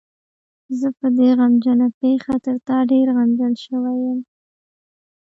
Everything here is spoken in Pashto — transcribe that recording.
زه په دې غمجنه پېښه تر تا ډېر غمجن شوی یم.